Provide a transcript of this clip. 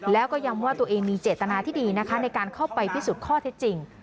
แล้วก็ย้ำว่าตัวเองมีเจตนาที่ดีนะคะในการเข้าไปพิสูจน์ข้อเท็จจริง